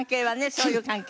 そういう関係。